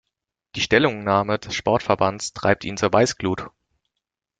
Die Stellungnahme des Sportverbands treibt ihn zur Weißglut.